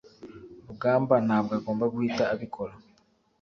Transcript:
rugamba ntabwo agomba guhita abikora